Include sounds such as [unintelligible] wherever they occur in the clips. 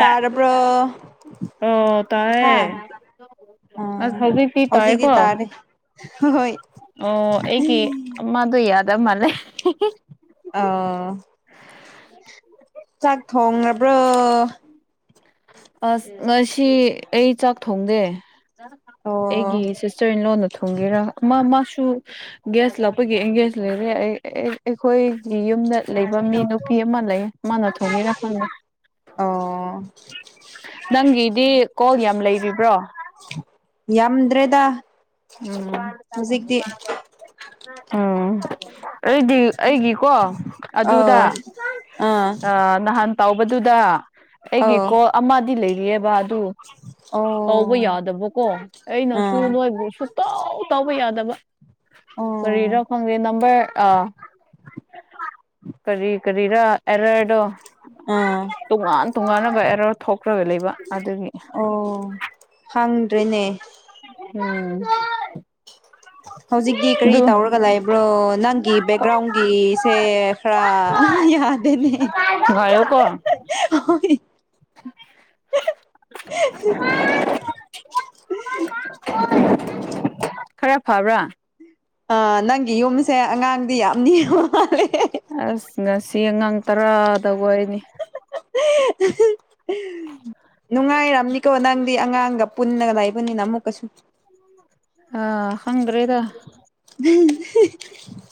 ꯇꯥꯔꯕ꯭ꯔꯣ ꯑꯣ ꯍꯥ ꯇꯥꯏꯌꯦ ꯑꯁ ꯑꯥ ꯍꯧꯖꯤꯛꯇꯤ ꯍꯧꯖꯤꯛꯇꯤ ꯇꯥꯏꯌꯦꯀꯣ ꯇꯥꯔꯦ ꯍꯣꯏ ꯑꯣ ꯑꯩꯒꯤ ꯑꯃꯗꯨ ꯌꯥꯗ ꯃꯥꯜꯂꯦ ꯑꯥ ꯆꯥꯛ ꯊꯣꯡꯉꯕ꯭ꯔꯣ ꯑꯁ ꯉꯁꯤ ꯑꯩ ꯆꯥꯛ ꯊꯣꯡꯗꯦ ꯑꯣ ꯑꯩꯒꯤ ꯁꯤꯁꯇꯔ ꯏꯟ ꯂꯣꯟꯅ ꯊꯣꯡꯒꯦꯔꯥ ꯃꯥ ꯃꯥꯁꯨ ꯒꯦꯁ ꯂꯥꯛꯄꯒꯤ ꯑꯦꯡꯒꯦꯖ ꯂꯩꯔꯦ ꯑꯩ ꯑꯩꯈꯣꯏꯒꯤ ꯌꯨꯝꯗ ꯂꯩꯕ ꯃꯤ ꯅꯨꯄꯤ ꯑꯃ ꯂꯩ ꯃꯥꯅ ꯊꯣꯡꯒꯦꯔ ꯈꯪꯗ ꯑꯣ ꯅꯪꯒꯤꯗꯤ ꯀꯣꯜ ꯌꯥꯝ ꯂꯩꯔꯤꯕ꯭ꯔ‌ꯣ ꯌꯥꯝꯗ꯭ꯔꯦꯗ ꯎꯝ ꯍꯧꯖꯤꯛꯇꯤ ꯎꯝ ꯑꯩꯗꯤ ꯑꯩꯒꯤꯀꯣ ꯑꯗꯨꯗ ꯑꯥ ꯑꯥ ꯅꯍꯥꯟ ꯇꯥꯎꯕꯗꯨꯗ ꯑꯩꯒꯤ ꯑꯧ ꯀꯣꯜ ꯑꯃꯗꯤ ꯂꯩꯔꯤꯌ‌ꯦꯕ ꯑꯣ ꯇꯧꯕ ꯌꯥꯗꯕꯀꯣ ꯑꯩꯅꯁꯨ ꯑꯥ ꯅꯣꯏꯕꯨ ꯁꯨꯛꯇꯧ ꯇꯧꯕ ꯌꯥꯗꯕ ꯑꯣ ꯀꯔꯤꯔꯣ ꯈꯪꯗꯦ ꯅꯝꯕꯔ ꯑꯥ ꯀꯔꯤ ꯀꯔꯤꯔꯥ ꯑꯦꯔꯔꯗꯣ ꯑꯥ ꯇꯣꯉꯥꯟ ꯇꯣꯉꯥꯟꯅ ꯑꯦꯔꯔ ꯊꯣꯛꯔꯒ ꯂꯩꯕ ꯑꯗꯨꯒꯤ ꯑꯣ ꯈꯪꯗ꯭ꯔꯦꯅꯦ ꯎꯝ ꯍꯧꯖꯤꯛꯇꯤ ꯀꯔꯤ ꯑꯗꯨ ꯇꯧꯔꯒ ꯂꯥꯛꯏꯕ꯭ꯔꯣ ꯅꯪꯒꯤ ꯕꯦꯛꯒ꯭ꯔꯥꯎꯟꯒꯤꯁꯦ ꯈꯔ ꯌꯥꯗꯦꯅꯦ ꯉꯥꯏꯌꯣ ꯀꯣ ꯍꯣꯏ [inaudible] [inaudible] [inaudible] ꯈꯔ ꯐꯕ꯭ꯔꯥ ꯑ ꯅꯪꯒꯤ ꯌꯨꯝꯁꯦ ꯑꯉꯥꯡꯗꯤ ꯌꯥꯝ [inaudible] ꯑꯁ ꯉꯁꯤ ꯑꯉꯥꯡ ꯇꯔꯥ [unintelligible] [unintelligible] ꯅꯨꯡꯉꯥꯏꯔꯝꯅꯤꯀꯣ ꯅꯪꯗꯤ ꯑꯉꯥꯡꯒ ꯄꯨꯟꯅꯒ ꯂꯩꯕꯅꯤꯅ ꯑꯃꯨꯛꯀꯁꯨ ꯑꯥ ꯈꯪꯗ꯭ꯔꯦꯗ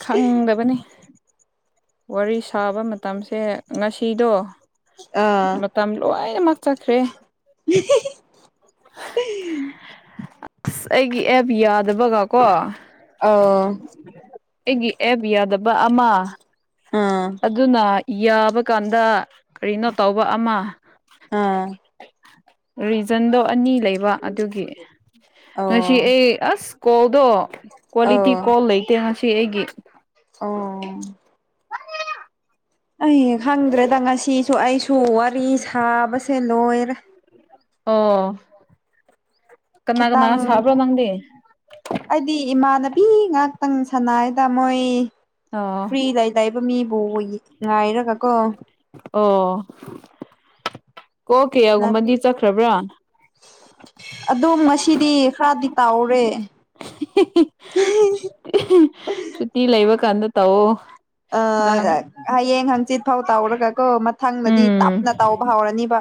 ꯈꯪꯗꯕꯅꯤ ꯋꯥꯔꯤ ꯁꯥꯕ ꯃꯇꯝꯁꯦ ꯉꯁꯤꯗꯣ ꯑꯥ ꯃꯇꯝ ꯂꯣꯏꯅꯃꯛ ꯆꯠꯈ꯭ꯔꯦ [unintelligible] ꯑꯁ ꯑꯩꯒꯤ ꯑꯦꯞ ꯌꯥꯗꯕꯒ ꯀꯣ ꯑꯧ ꯑꯩꯒꯤ ꯑꯦꯞ ꯌꯥꯗꯕ ꯑꯃ ꯑꯥ ꯑꯗꯨꯅ ꯌꯥꯕꯀꯥꯟꯗ ꯀꯔꯤꯅꯣ ꯇꯧꯕ ꯑꯃ ꯑꯥ [unintelligible] ꯔꯤꯖꯟꯗꯣ ꯑꯅꯤ ꯂꯩꯕ ꯑꯗꯨꯒꯤ ꯉꯁꯤ ꯑꯧ ꯑꯩ ꯑꯁ ꯀꯣꯜꯗꯣ ꯀ꯭ꯋꯥꯂꯤꯇꯤ ꯑꯧ ꯀꯣꯜ ꯂꯩꯇꯦ ꯉꯁꯤ ꯑꯩꯒꯤ ꯑꯣ ꯑꯩ ꯈꯪꯗ꯭ꯔꯦꯗ ꯉꯁꯤꯁꯨ ꯑꯩꯁꯨ ꯋꯥꯔꯤ ꯁꯥꯕꯁꯦ ꯂꯣꯏꯔꯦ ꯑꯣ ꯀꯅꯥ ꯈꯤꯇꯪ ꯀꯅꯥ ꯁꯥꯕ꯭ꯔꯣ ꯅꯪꯗꯤ ꯑꯩꯗꯤ ꯏꯃꯥꯟꯅꯕꯤ ꯉꯥꯛꯇꯪ ꯁꯥꯅꯩꯗ ꯃꯣꯏ ꯑꯣ ꯐ꯭ꯔꯤ ꯂꯩ ꯂꯩꯕꯃꯤꯕꯨ ꯉꯥꯏꯔꯒ ꯀꯣ ꯑꯣ ꯀꯣꯜ ꯀꯌꯥꯒꯨꯝꯕꯗꯤ ꯆꯠꯈ꯭ꯔꯕ꯭ꯔꯥ ꯑꯗꯨꯝ ꯉꯁꯤꯗꯤ ꯈꯔꯗꯤ ꯇꯥꯎꯔꯦ ꯍꯤꯍꯤ ꯁꯨꯇꯤ ꯂꯩꯕ ꯀꯥꯟꯗ ꯇꯧꯑꯣ ꯑꯥ ꯅꯪ ꯍꯌꯦꯡ ꯍꯪꯆꯤꯠ ꯐꯥꯎ ꯇꯧꯔꯒꯀꯣ ꯃꯊꯪꯗꯗꯤ ꯎꯝ ꯇꯞꯅ ꯇꯧꯕ ꯍꯧꯔꯅꯤꯕ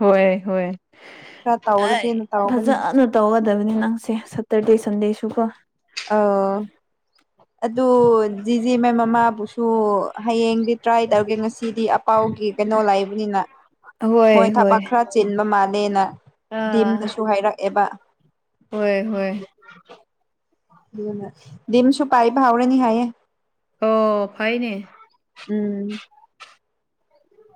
ꯍꯣꯏ ꯍꯣꯏ ꯈꯔ ꯑꯩ ꯇꯧꯔꯒꯦꯅ ꯇꯧꯕꯅꯤ ꯐꯖꯅ ꯇꯧꯒꯗꯕꯅꯤ ꯅꯪꯁꯦ ꯁꯇꯔꯗꯦ ꯁꯟꯗꯦꯁꯨꯀꯣ ꯑ ꯑꯗꯨ ꯖꯤꯖꯤ ꯃꯥꯏ ꯃꯃꯥꯕꯨꯁꯨ ꯍꯌꯦꯡꯗꯤ ꯇ꯭ꯔꯥꯏ ꯇꯧꯒꯦ ꯉꯁꯤꯗꯤ ꯑꯄꯥꯎꯒꯤ ꯀꯩꯅꯣ ꯂꯩꯕꯅꯤꯅ ꯃꯣꯏ ꯍꯣꯏ ꯍꯣꯏ ꯊꯕꯛ ꯈꯔ ꯆꯤꯟꯕ ꯃꯥꯜꯂꯦꯅ ꯑꯥ ꯗꯤꯝꯅꯁꯨ ꯍꯥꯏꯔꯛꯑꯦꯕ ꯍꯣꯏ ꯍꯣꯏ ꯗꯤꯝꯁꯨꯨ ꯄꯥꯏꯕ ꯍꯧꯔꯅꯤ ꯍꯥꯏꯌꯦ ꯑꯣ ꯐꯩꯅꯦ ꯎꯝ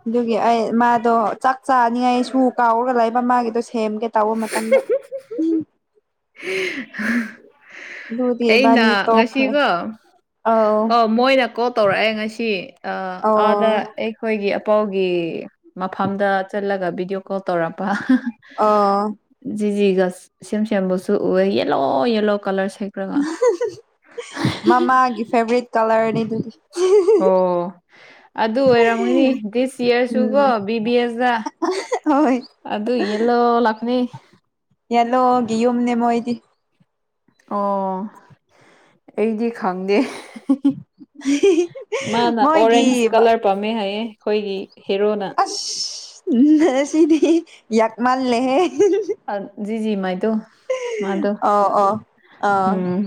ꯑꯗꯨꯒꯤ ꯑꯩ ꯃꯥꯗꯣ ꯆꯥꯛ ꯆꯥꯅꯤꯉꯥꯏ ꯁꯨ ꯀꯥꯎꯔꯒ ꯂꯩꯕ ꯃꯥꯒꯤꯗꯣ ꯁꯦꯝꯒꯦ ꯇꯧꯕ ꯃꯇꯝꯗ [unintelligible] ꯑꯗꯨꯗꯤ ꯏꯕꯥꯅꯤ ꯑꯩꯅ ꯇꯣꯛꯈ꯭ꯔꯦ ꯉꯁꯤꯒ ꯑꯥꯎ ꯑꯣ ꯃꯣꯏꯅ ꯀꯣꯜ ꯇꯧꯔꯛꯑꯦ ꯉꯁꯤ ꯑ ꯑꯣ ꯑꯥꯗ ꯑꯩ ꯑꯩꯈꯣꯏꯒꯤ ꯑꯄꯥꯎꯒꯤ ꯃꯐꯝꯗ ꯆꯠꯂꯒ ꯕꯤꯗꯤꯑꯣ ꯀꯣꯜ ꯇꯧꯔꯛꯄ ꯑꯣ ꯖꯤ ꯖꯤꯒ ꯁꯦꯝ ꯁꯦꯝꯒꯁꯨ ꯎꯏꯑꯦ ꯌꯦꯜꯂꯣ ꯌꯦꯜꯂꯣ ꯀꯂꯔ ꯁꯦꯠ ꯂꯒ [unintelligible] ꯃꯃꯥꯒꯤ ꯐꯦꯕꯣꯔꯥꯏꯠ ꯀꯂꯔꯅꯤ ꯑꯗꯨꯗꯤ ꯑꯣ ꯑꯗꯨ ꯑꯣꯏꯔꯝꯒꯅꯤ ꯗꯤꯁ ꯎꯝ ꯏꯌꯥꯔꯁꯨꯀꯣ ꯕꯤ ꯕꯤ ꯑꯦꯁꯇ ꯍꯣꯏ ꯑꯗꯨ ꯌꯦꯜꯂꯣ ꯂꯥꯛꯄꯅꯤ ꯌꯦꯂꯣ ꯒꯤꯌꯨꯝꯅꯦ ꯃꯣꯏꯗꯤ ꯑꯣ ꯑꯩꯗꯤ ꯈꯪꯗꯦ ꯃꯥꯅ ꯑꯣꯔꯦꯟꯁ ꯃꯣꯏꯒꯤ ꯀꯂꯔ ꯄꯥꯝꯃꯦ ꯍꯥꯏꯌꯦ ꯑꯩꯈꯣꯏꯒꯤ ꯍꯦꯔꯣꯅ ꯑꯁ ꯅꯁꯤꯗꯤ ꯌꯥꯛ ꯃꯥꯜ ꯂꯦꯍꯦ ꯑ ꯖꯤꯖꯤ ꯃꯥꯏ ꯇꯣ ꯑꯣ ꯑꯣ ꯑꯥ ꯎꯝ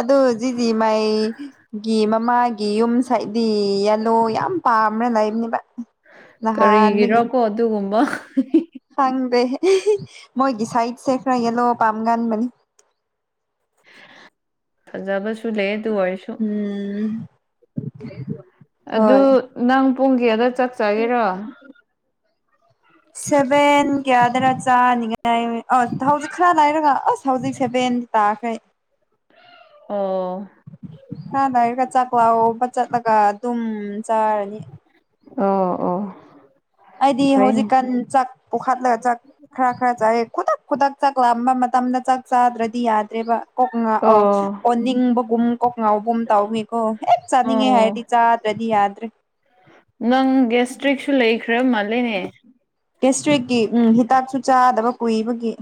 ꯑꯗꯨꯖꯤꯖꯤ ꯃꯥꯏ ꯒꯤ ꯃꯃꯥꯒꯤ ꯌꯨꯝꯁꯗꯤ ꯌꯦꯂꯣ ꯌꯥꯝ ꯄꯥꯝꯕꯅ ꯂꯩꯕꯅꯦꯕ ꯀꯔꯤꯒꯤꯔꯣ ꯅꯍꯥꯟꯗꯒꯤ ꯀꯣ ꯑꯗꯨꯒꯨꯝꯕ ꯈꯪꯗꯦ ꯃꯣꯏ ꯒꯤꯁꯥꯏꯠ ꯆꯦ ꯈꯔ ꯌꯦꯂꯣ ꯄꯝꯒꯥꯟ ꯕꯅꯤ ꯐꯖꯕꯁꯨ ꯂꯩ ꯗꯨ ꯑꯣꯏꯁꯨ ꯎꯝ ꯑꯗꯨ ꯍꯣꯏ ꯅꯪ ꯄꯨꯡ ꯀꯌꯥꯗ ꯆꯛ ꯆꯥꯒꯦꯔꯣ [inaudible] ꯁꯦꯚꯦꯟ ꯀꯌꯥꯗꯅ ꯆꯥꯅꯤꯉꯥꯏ ꯑ ꯍꯧꯖꯤꯛ ꯈꯔ ꯂꯩꯥꯏꯔꯒ ꯑꯁ ꯍꯧꯖꯤꯛ ꯁꯦꯚꯦꯟ ꯇꯥꯈ꯭ꯔꯦ ꯑꯣ ꯑꯥꯗꯥꯏꯔꯒ ꯆꯥꯛꯂꯥꯎꯕ ꯆꯠꯂꯒ ꯑꯗꯨꯝ ꯆꯥꯔꯅꯤ ꯑꯣ ꯑꯣ ꯑꯩꯗꯤ ꯐꯩꯅꯦ ꯍꯧꯖꯤꯛꯀꯥꯟ ꯆꯥꯛ ꯄꯨꯈꯠꯂꯒ ꯆꯥꯛ ꯈꯔ ꯈꯔ ꯆꯥꯏꯑꯦ ꯈꯨꯗꯛ ꯈꯨꯗꯛ ꯆꯥꯛ ꯂꯥꯛꯕ ꯃꯇꯝꯗ ꯆꯥꯛ ꯆꯥꯗ꯭ꯔꯗꯤ ꯌꯥꯗ꯭ꯔꯦꯕ ꯑꯣꯛ ꯉꯥꯑꯣ ꯑꯣ ꯑꯣꯅꯤꯡꯕꯒꯨꯝ ꯀꯣꯛ ꯉꯥꯎꯕꯒꯨꯝ ꯇꯥꯎꯏꯀꯣ ꯍꯦꯛ ꯆꯥꯅꯤꯡꯉꯦ ꯑꯣ ꯍꯥꯏꯔꯗꯤ ꯆꯥꯗ꯭ꯔꯗꯤ ꯌꯥꯗ꯭ꯔꯦ [inaudible] ꯅꯪ ꯒꯦꯁꯇ꯭ꯔꯤꯛꯁꯨ ꯂꯩꯈ꯭ꯔ ꯃꯥꯜꯂꯦꯅꯦ ꯗꯤꯁꯇ꯭ꯔꯤꯛꯀꯤ ꯎꯝ ꯍꯤꯗꯥꯛꯁꯨ ꯆꯥꯗꯕ ꯀꯨꯏꯕꯒꯤ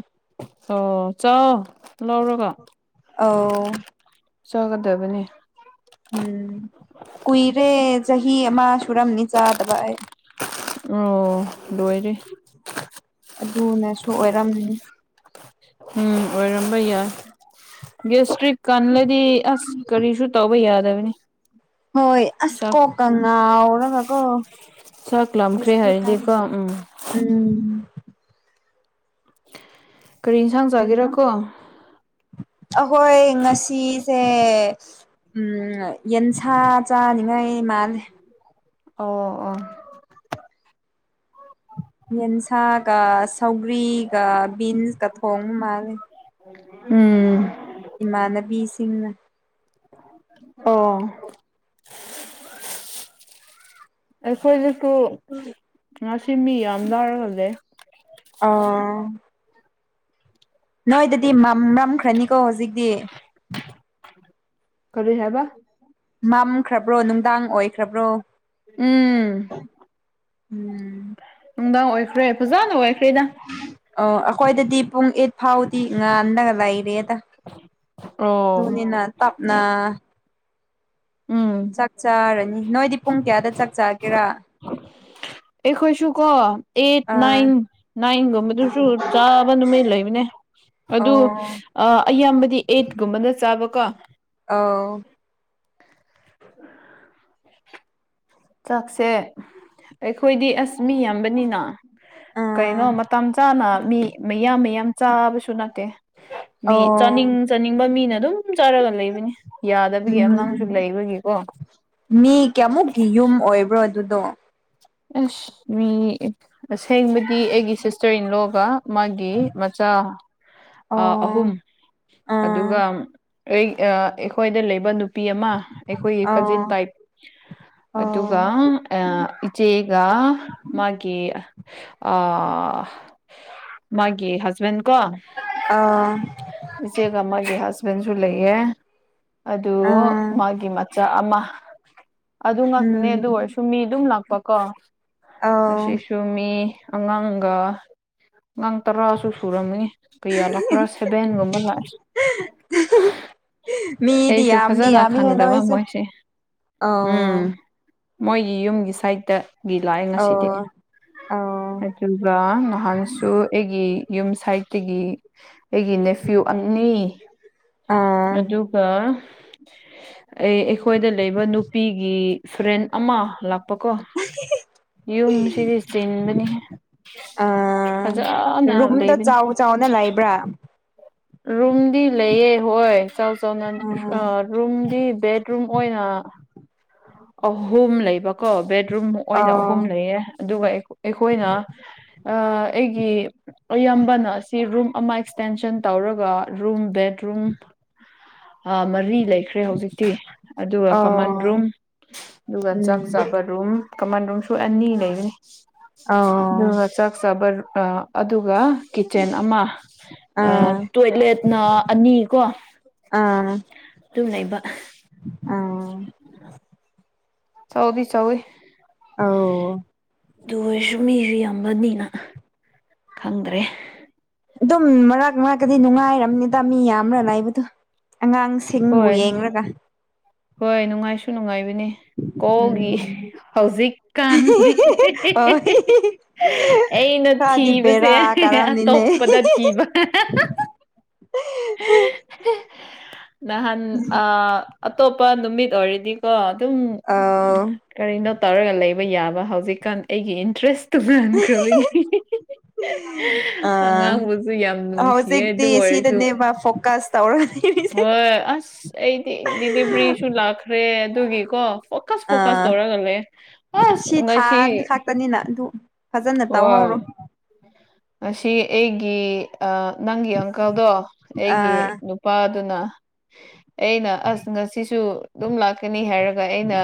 ꯑꯣ ꯆꯥꯎ ꯂꯧꯔꯒ ꯑꯧ ꯆꯒꯗꯕꯅꯤ ꯎꯝ ꯀꯨꯏꯔꯦ ꯆꯍꯤ ꯑꯃ ꯁꯨꯔꯝꯅꯤ ꯆꯥꯗꯕ ꯑꯩ ꯑꯣ ꯂꯣꯏꯔꯦ ꯑꯗꯨꯅꯁꯨ ꯑꯣꯏꯔꯝꯅꯤ ꯎꯝ ꯑꯣꯏꯔꯝꯕ ꯌꯥꯏ ꯒꯦꯁꯇ꯭ꯔꯤꯛ ꯀꯜꯂꯗꯤ ꯑꯁ ꯀꯔꯤꯁꯨ ꯇꯧꯕ ꯌꯥꯗꯕꯅꯤ ꯍꯣꯏ ꯑꯁ ꯆꯥꯛ ꯀꯣꯀ ꯉꯥꯎꯔꯒꯀꯣ ꯆꯛꯂꯝꯈ꯭ꯔꯦ ꯍꯥꯏꯔꯗꯤꯀꯣ ꯎꯝ ꯎꯝ ꯀꯔꯤ ꯌꯦꯟꯁꯥꯡ ꯆꯥꯒꯦꯔꯥ ꯀꯣ ꯑꯈꯣꯏ ꯉꯁꯤꯁꯦ ꯌꯦꯟꯁꯥ ꯆꯥꯅꯤꯡꯉꯩ ꯃꯥꯜꯂꯤ ꯑꯣ ꯑꯣ ꯌꯦꯟꯁꯥꯒ ꯁꯧꯒ꯭ꯔꯤꯒ ꯕꯤꯟꯁꯀ ꯊꯣꯡ ꯃꯥꯂ ꯎꯝ ꯏꯃꯥꯟꯅꯕꯤꯁꯤꯡꯅ ꯑꯣ ꯑ [inaudible] ꯑꯩꯈꯣꯏꯗꯁꯨ ꯉꯁꯤ ꯃꯤ ꯌꯥꯝ ꯂꯥꯎꯔꯒꯂꯦ ꯑꯥ ꯅꯣꯏꯗꯗꯤ ꯃꯝ ꯃꯝꯈ꯭ꯔꯅꯤꯀꯣ ꯍꯧꯖꯤꯛꯇꯤ ꯀꯔꯤ ꯍꯥꯏꯕ ꯃꯝꯈ꯭ꯔꯕ꯭ꯔꯣ ꯅꯨꯡꯗꯥꯡ ꯑꯣꯏꯈ꯭ꯔꯕ꯭ꯔꯣ ꯎꯝ ꯎꯝ ꯅꯨꯡꯗꯥꯡ ꯑꯣꯏꯈ꯭ꯔꯦ ꯐꯖꯟꯅ ꯑꯣꯏꯈ꯭ꯔꯦꯗ ꯑꯥꯎ ꯑꯩꯈꯣꯏꯗꯗꯤ ꯄꯨꯡ ꯑꯩꯠ ꯐꯥꯎꯗꯤ ꯉꯥꯟꯂꯒ ꯂꯩꯔꯦꯗ ꯑꯣ ꯇꯞꯅꯥ ꯎꯝ ꯆꯥꯛ ꯆꯥꯔꯅꯤ ꯅꯣꯏꯗꯤ ꯄꯨꯡ ꯀꯌꯥꯗ ꯆꯥꯛ ꯆꯥꯒꯦꯔꯥ ꯑꯩꯈꯣꯏꯁꯨ ꯀꯣ ꯑꯩꯠ ꯑꯥ ꯅꯥꯏꯟ ꯅꯥꯏꯟ ꯒꯨꯝꯕꯗꯨꯁꯨ ꯆꯥꯕ ꯅꯨꯃꯤꯠ ꯂꯩꯕꯅꯦ ꯑꯗꯨ ꯑꯣ [unintelligible] ꯑ ꯑꯌꯥꯝꯕꯗꯤ ꯑꯩꯠꯀꯨꯝꯕꯗ ꯆꯥꯕꯀꯣ ꯑꯥꯎ ꯆꯥꯛꯁꯦ ꯑꯩꯈꯣꯏꯗꯤ ꯑꯁ ꯃꯤ ꯌꯥꯝꯕꯅꯤꯅ ꯀꯩꯅꯣ ꯑꯥ ꯃꯇꯝ ꯆꯥꯅ ꯃꯤ ꯃꯌꯥꯝ ꯃꯌꯥꯝ ꯆꯥꯕꯁꯨ ꯅꯠꯇꯦ ꯃꯤ ꯑꯣ ꯆꯥꯅꯤꯡ ꯆꯥꯅꯤꯡꯕ ꯃꯤꯅ ꯑꯗꯨꯝ ꯆꯥꯔꯒ ꯂꯩꯕꯅꯦ ꯌꯥꯗꯕꯒꯤ ꯑꯉꯥꯡꯁꯨ ꯎꯝ ꯂꯩꯕꯒꯤꯀꯣ ꯃꯤ ꯀꯌꯥꯃꯨꯛꯀꯤ ꯌꯨꯝ ꯑꯣꯏꯕ꯭ꯔꯣ ꯑꯗꯨꯗꯣ ꯑꯁ ꯃꯤ ꯑꯁꯦꯡꯕꯗꯤ ꯑꯩꯒꯤ ꯁꯤꯁꯇꯔ -ꯏꯟ -ꯂꯣꯒ ꯃꯥꯒꯤ ꯃꯆꯥ ꯑꯥ ꯑꯍꯨꯝ ꯑꯣ ꯑꯥ ꯑꯗꯨꯒ ꯑꯩ -ꯑꯥ -ꯑꯩꯈꯣꯏꯗ ꯂꯩꯕ ꯅꯨ ꯄꯤ ꯑꯃ ꯑꯩꯈꯣꯏꯒꯤ ꯀꯖꯤꯟ ꯑꯧ ꯇꯥꯏꯞ ꯑꯗꯨꯒ ꯑꯧ ꯑꯥ -ꯏ - ꯄꯤ ꯆꯦꯒ ꯃꯥꯒꯤ ꯑꯥ ꯃꯥꯒꯤ ꯍꯁꯕꯦꯟ ꯀꯣ ꯑꯥ ꯏꯆꯦꯒ ꯃꯥꯒꯤ ꯍꯖꯕꯦꯟꯁꯨ ꯂꯩꯌꯦ ꯑꯗꯨ ꯑꯥ ꯃꯥꯒꯤ ꯃ ꯆꯥ ꯑꯃ ꯑꯗꯨ ꯉꯥꯛꯇꯅꯦ ꯎꯝ ꯑꯗꯨ ꯑꯣꯏꯔꯁꯨ ꯃꯤ ꯗꯨꯝ ꯂꯥꯛꯄꯀꯣ ꯑꯥꯎ ꯗꯨ ꯃꯤ ꯑꯉꯥꯡꯒ ꯑꯉꯥꯡ ꯇꯔꯥꯁꯨ ꯁꯨꯔꯝꯒꯅꯤ ꯀꯌꯥ ꯂꯥꯛꯄ꯭ꯔꯥ ꯁꯕꯦꯟꯒꯨꯝꯕ ꯂꯥꯛꯑꯦ [unintelligible] ꯃꯤꯗꯤ ꯑꯩꯁꯨ ꯌꯥꯝꯗꯤ ꯐꯖꯅ ꯌꯥꯝꯃꯦꯍꯦ ꯈꯪꯗꯕ ꯅꯣꯁꯨ ꯃꯣꯏꯁꯦ ꯎꯝ ꯑꯣ ꯃꯣꯏꯒꯤ ꯌꯨꯝꯒꯤ ꯁꯥꯏꯠꯇꯒꯤ ꯂꯥꯛꯑꯦ ꯉꯁꯤꯗꯤ ꯑꯧ ꯑꯧ ꯑꯗꯨꯒ ꯅꯍꯥꯟꯁꯨ ꯑꯩꯒꯤ ꯌꯨꯝ ꯁꯥꯏꯠꯇꯒꯤ ꯑꯩꯒꯤ ꯅꯦꯐ꯭ꯌꯨ ꯑꯅꯤ ꯑꯥ ꯑꯗꯨꯒ ꯑꯩ ꯑꯩꯈꯣꯏꯗ ꯂꯩꯕ ꯅꯨꯄꯤꯒꯤ ꯐ꯭ꯔꯦꯟ ꯑꯃ ꯂꯥꯛꯄ ꯀꯣ ꯌꯨꯝꯁꯤꯗꯤ ꯆꯤꯟꯕꯅꯤꯍꯦ ꯑꯥ ꯐꯖꯟꯅ ꯔꯨꯝꯗ ꯂꯩꯕꯅꯤ ꯆꯥꯎ ꯆꯥꯎꯅ ꯂꯩꯕ꯭ꯔꯥ ꯔꯨꯝꯗꯤ ꯂꯩꯌꯦ ꯍꯣꯏ ꯆꯥꯎ ꯆꯥꯎꯅ ꯑ ꯎꯝ ꯔꯨꯝꯗꯤ ꯕꯦꯠꯔꯨꯝ ꯑꯣꯏꯅ ꯑꯍꯨꯝ ꯂꯩꯕꯀꯣ ꯕꯦꯠꯔꯨꯝ ꯑꯣꯏꯅ ꯑꯧ ꯑꯍꯨꯝ ꯂꯩꯌꯦ ꯑꯗꯨꯒ ꯑꯩꯈꯣ ꯑꯩꯈꯣꯏꯅ ꯑꯥ -ꯑꯩꯒꯤ ꯑꯌꯥꯝꯕꯅ ꯑꯁꯤ ꯔꯨꯝ ꯑꯃ ꯑꯦꯛꯁꯇꯦꯟꯁꯟ ꯇꯧꯔꯒ ꯔꯨꯝ ꯕꯦꯠꯔꯨꯝ ꯑꯥ -ꯃꯔꯤ ꯂꯩꯈ꯭ꯔꯦ ꯍꯧꯖꯤꯛꯇꯤ ꯑꯗꯨꯒ ꯀꯃꯟ ꯔꯨꯝ ꯑꯧ ꯑꯗꯨꯒ ꯆꯥꯛ ꯎꯝ ꯆꯥꯕ ꯔꯨꯝ ꯀꯃꯥꯟ ꯔꯨꯝꯁꯨ ꯑꯅꯤ ꯂꯩꯕꯅꯤ ꯑꯧ ꯑꯗꯨꯒ ꯆꯥꯛ ꯆꯥꯕꯔ ꯑꯥ - ꯑꯗꯨꯒ ꯀꯤꯠꯆꯟ ꯑꯃ ꯑꯥ -ꯇꯣꯏꯂꯦꯠꯅ ꯑꯅꯤꯀꯣ ꯑꯥ ꯗꯨꯝ ꯂꯩꯕ ꯑꯍꯥ ꯑꯥ ꯆꯥꯎꯗꯤ ꯆꯥꯎꯋꯦ ꯑꯧ ꯑꯣꯏꯔꯁꯨ ꯃꯤꯁꯨ ꯌꯥꯝꯕꯅꯤꯅ ꯈꯪꯗ꯭ꯔꯦ ꯑꯗꯨꯝ ꯃꯔꯛ ꯃꯔꯛꯛꯇꯗꯤ ꯅꯨꯡꯉꯥꯏꯔꯝꯅꯤꯗ ꯃꯤ ꯌꯥꯝꯅ ꯂꯕꯗꯣ ꯑꯉꯥꯡꯁ ꯁꯤꯡꯕꯨ ꯍꯣꯏ ꯌꯦꯡꯂꯒ꯫ ꯍꯣꯏ ꯅꯨꯡꯉꯥꯏꯁꯨ ꯅꯨꯡꯉꯥꯏꯕꯅꯤ꯫ ꯎꯝ꯫ ꯍꯧꯖꯤꯛꯀꯥꯟꯗꯤ ꯍꯣꯏ ꯑꯩꯅ ꯈꯔꯗꯤ ꯊꯤꯕꯁꯦ꯫ ꯕꯦꯔꯥ ꯀꯥꯔꯝꯅꯤꯅꯦ ꯑꯇꯣꯞꯄꯗ ꯊꯤꯕ꯫ [unintelligible] ꯅꯍꯥꯟ ꯑ ꯑꯇꯣꯞꯄ ꯅꯨꯃꯤꯠ ꯑꯣꯏꯔꯗꯤꯀꯣ ꯑꯗꯨꯝ꯫ ꯑꯧ ꯀꯔꯤꯅꯣ ꯇꯧꯔꯒ ꯂꯩꯕ ꯌꯥꯕ ꯍꯧꯖꯤꯛꯀꯥꯟ ꯑꯩꯒꯤ ꯏꯟꯇꯔꯦꯁ ꯇꯨꯅꯍꯟꯈ꯭ꯔꯕꯒꯤ꯫ ꯑꯥ ꯑꯉꯥꯡꯕꯁꯨ ꯌꯥꯝ ꯅꯨꯡꯁꯤꯌꯦ ꯑꯗꯨ ꯑꯣꯏꯔꯁꯨ꯫ ꯃꯥ ꯐꯣꯀꯁ ꯇꯧꯔꯒ ꯂꯩꯔꯤ꯫ ꯍꯣꯏ ꯑꯁ ꯑꯩꯗꯤ ꯗꯤꯂꯤꯚ꯭ꯔꯤꯁꯨ ꯂꯥꯛꯈ꯭ꯔꯦ ꯑꯗꯨꯒꯤꯀꯣ꯫ ꯐꯣꯀꯁ ꯐꯣꯀꯁ ꯑꯥ ꯇꯧꯔꯒ ꯂꯩꯌꯦ ꯑꯁ ꯁꯤ ꯊꯥ ꯉꯁꯤ ꯈꯥꯛꯇꯅꯤꯅ ꯑꯗꯨ ꯐꯖꯅ ꯍꯣꯏ꯫ ꯇꯧꯍꯧꯔꯣ ꯑꯁꯤ ꯑꯩꯒꯤ ꯑ ꯅꯪꯒꯤ ꯑꯪꯀꯜꯗꯣ ꯑꯩꯒꯤ ꯑꯥ ꯅꯨꯄꯥꯗꯨꯅ [inaudible] ꯑꯩꯅ ꯑꯁ ꯉꯁꯤꯁꯨ ꯑꯗꯨꯝ ꯂꯥꯛꯀꯅꯤ ꯍꯥꯏꯔꯒ ꯑꯩꯅ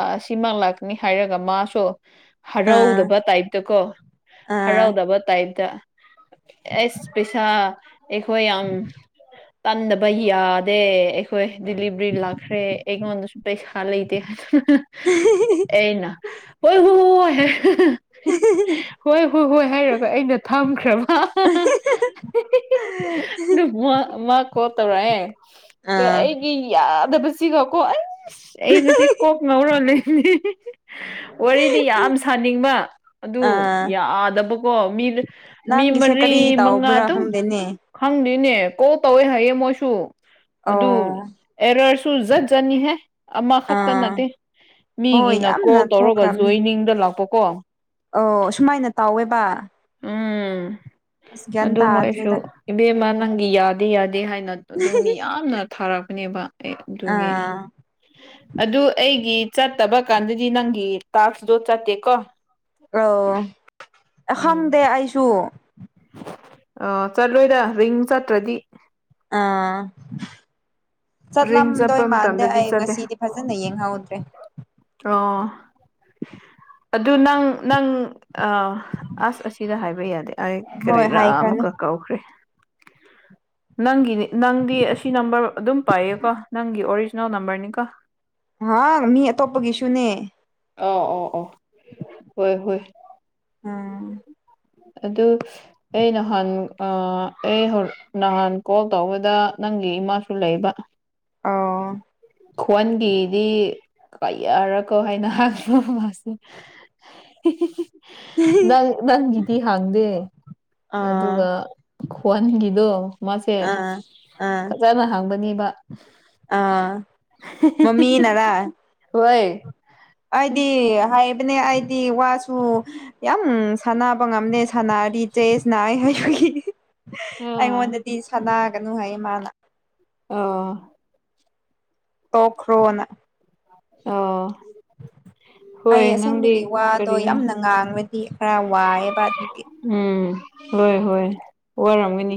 ꯑꯁꯤꯃꯛ ꯂꯥꯛ ꯅꯤ ꯍꯥꯏꯔꯒ ꯃꯥꯁꯨ ꯑꯥ ꯍꯔꯥꯎꯗꯕ ꯇꯥꯏꯞꯇꯀꯣ ꯑꯥ ꯍꯔꯥꯎꯗꯕ ꯇꯥꯏꯞ ꯇ ꯑꯦꯁ ꯄꯩꯁꯥ ꯑꯩꯈꯣꯏ ꯌꯥꯝ ꯇꯝꯗꯕ ꯌꯥꯗꯦ ꯑꯩꯈꯣꯏ ꯗꯤꯂꯤꯕꯔꯤ ꯂꯥꯛꯈ꯭ꯔꯦ ꯑꯩꯉꯣꯟꯗꯁꯨ ꯄꯩꯁꯥ ꯇꯥꯅꯤꯡꯗꯦ ꯑꯩꯅ꯫ [unintelligible] ꯍꯣꯏ ꯍꯣꯏ ꯍꯣꯏ ꯍꯥꯏꯔꯒ ꯑꯩꯅ ꯊꯝꯈ꯭ꯔꯕ ꯑꯗꯨ ꯃ ꯃꯥ ꯀꯣꯜ ꯇꯧꯔꯛꯑꯦ ꯑꯥ ꯑꯩꯒꯤ ꯌꯥꯗꯕꯁꯤꯒꯀꯣ ꯑꯩ ꯑꯩ ꯉꯁꯤ ꯀꯣꯛ ꯉꯧꯔ ꯂꯩꯕꯅꯦ꯫ ꯋꯥꯔꯤꯗꯤ ꯌꯥꯝ ꯁꯥꯅꯤꯡꯕ ꯑꯗꯨ ꯑꯥ ꯌꯥꯗꯕꯀꯣ ꯃꯤ ꯃꯤ ꯅꯪꯒꯤꯁꯦ ꯀꯔꯤ ꯃꯔꯤ ꯃꯪꯉꯥ ꯇꯧꯕ꯭ꯔꯥ ꯑꯗꯨꯝ꯫ ꯈꯪꯗꯦꯅꯦ ꯈꯪꯗꯦꯅꯦ ꯀꯣꯜ ꯇꯧꯋꯦ ꯍꯥꯏꯌꯦ ꯃꯣꯏꯁꯨ ꯑꯗꯨ ꯑꯣ ꯑꯦꯔꯁꯨ ꯖꯠꯖꯅꯤꯍꯦ꯫ ꯑꯃꯈꯛꯇ ꯑꯥ ꯅꯠꯇꯦ ꯍꯣꯏ ꯃꯤꯒꯤꯅ ꯀꯣꯜ ꯌꯥꯝꯅ ꯇꯧꯔꯒ ꯊꯣꯛꯈ꯭ꯔꯕꯅꯦ ꯖꯣꯏꯅꯤꯡꯗ ꯂꯥꯛꯄꯀꯣ꯫ ꯑꯣ ꯑꯁꯨꯃꯥꯏꯅ ꯇꯧꯋꯦꯕ꯫ ꯎꯝ ꯑꯁ ꯒ꯭ꯌꯥꯟ ꯑꯗꯨ ꯃꯣꯏꯁꯨ꯫ ꯇꯥꯗ꯭ꯔꯦꯗ ꯏꯕꯦꯝꯃ ꯅꯪꯒꯤ ꯌꯥꯗꯦ ꯌꯥꯗꯦ ꯍꯥꯏꯅ ꯑꯗꯨꯝ ꯃꯤ ꯌꯥꯝꯅ ꯊꯥꯔꯛꯄꯅꯦꯕ꯫ ꯑꯩ ꯑꯗꯨꯒꯤ꯫ ꯑꯥ ꯑꯗꯨ ꯑꯩꯒꯤ ꯆꯠꯇꯕ ꯀꯥꯟꯗꯗꯤ ꯅꯪꯒꯤ ꯇꯥꯛꯁꯇꯣ ꯆꯠꯇꯦꯀꯣ꯫ ꯑꯧ ꯎꯝ ꯈꯪꯗꯦ ꯑꯩꯁꯨ꯫ ꯑ ꯆꯠꯂꯣꯏꯗ ꯔꯤꯡ ꯆꯠꯇ꯭ꯔꯗꯤ꯫ ꯑꯥ ꯔꯤꯡ ꯆꯠꯂꯝꯗꯣꯏ ꯆꯠꯄ ꯃꯥꯟꯗꯦ ꯃꯇꯝꯗꯗꯤ ꯑꯩ ꯆꯠꯂꯦ ꯉꯁꯤꯗꯤ꯫ ꯐꯖꯅ ꯌꯦꯡꯍꯧꯗ꯭ꯔꯦ꯫ ꯑꯣ ꯑꯗꯨ ꯅꯪ ꯅꯪ꯫ ꯑꯧ ꯑꯁ ꯑꯁꯤꯗ ꯍꯥꯏꯕ ꯌꯥꯗꯦ ꯑꯩ ꯍꯣꯏ ꯀꯔꯤꯔꯥ ꯍꯥꯏꯈ꯭ꯔꯅꯨ ꯑꯃꯨꯛꯀ ꯀꯧꯈ꯭ꯔꯦ꯫ [inaudible] ꯅꯪꯒꯤꯅꯤ ꯅꯪꯗꯤ ꯑꯁꯤ ꯅꯝꯕꯔ ꯑꯗꯨꯝ ꯄꯥꯏꯌꯦꯀꯣ ꯅꯪꯒꯤ ꯑꯣꯔꯤꯖꯤꯅꯦꯜ ꯅꯝꯕꯔꯅꯤꯀꯣ꯫ ꯍꯥ ꯃꯤ ꯑꯇꯣꯞꯄꯒꯤꯁꯨꯅꯦ꯫ ꯑ ꯑꯣ ꯑꯣ ꯍꯣꯏ ꯍꯣꯏ꯫ ꯎꯝ꯫ ꯑꯗꯨ ꯑꯩ ꯅꯍꯥꯟ ꯑ ꯑꯩ ꯅꯍꯥꯟ ꯀꯣꯜ ꯇꯧꯕꯗ ꯅꯪꯒꯤ ꯏꯃꯥꯁꯨ ꯂꯩꯕ꯫ ꯑꯧ꯫ ꯈꯣꯟꯒꯤꯗꯤ ꯀꯩꯌꯥꯔꯀ ꯍꯥꯏꯅ ꯍꯪꯉꯕ ꯃꯥꯁꯦ ꯎ [unintelligible] ꯅꯪ ꯅꯪꯒꯤꯗꯤ ꯍꯥꯡꯗꯦ ꯑꯥ ꯑꯗꯨꯒ ꯈꯣꯟꯒꯤꯗꯣ ꯃꯥꯁꯦ ꯑꯥ ꯑꯥ ꯐꯖꯅ ꯍꯥꯡꯕꯅꯦꯕ ꯑꯥ ꯃꯃꯤꯅꯔꯥ ꯍꯣꯏ ꯑꯩꯗꯤ ꯍꯥꯏꯕꯅꯦ ꯑꯩꯗꯤ ꯋꯥꯁꯨ ꯌꯥꯝ ꯁꯥꯟꯅꯕ ꯉꯝꯅꯦ ꯁꯥꯟꯅꯔꯤꯖꯦꯁ ꯅꯥꯏ ꯍꯥꯏꯕꯒꯤ ꯑꯥ ꯑꯩꯉꯣꯟꯗꯗꯤ ꯁꯥꯟꯅꯒꯅꯨ ꯍꯥꯏꯌꯦ ꯃꯥꯅ ꯑꯥ ꯇꯣꯈ꯭ꯔꯣꯅ ꯑꯣ ꯑꯩ ꯑꯁꯦꯡꯕꯒꯤ ꯋꯥꯗꯣ ꯀꯔꯤꯅꯣ ꯌꯥꯝꯅ ꯉꯥꯡꯕꯗꯤ ꯈꯔ ꯋꯥꯏꯑꯦꯕ ꯑꯗꯨꯒꯤ ꯎꯝ ꯍꯣꯏ ꯍꯣꯏ ꯋꯥꯔꯝꯒꯅꯤ